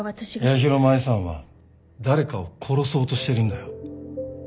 八尋舞さんは誰かを殺そうとしてるんだよ。